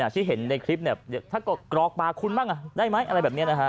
ที่เห็นในคลิปถ้าก็กรอกปากคุณบ้างได้ไหมอะไรแบบนี้นะฮะ